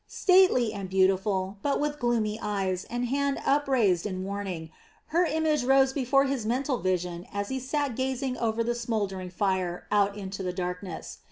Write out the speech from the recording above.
Stately and beautiful, but with gloomy eyes and hand upraised in warning, her image rose before his mental vision as he sat gazing over the smouldering fire out into the darkness.